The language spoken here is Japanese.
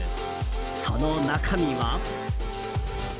その中身は。